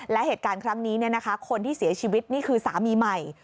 และเหตุการณ์ครั้งนี้คนที่เสียชีวิตนี่คือสามีใหม่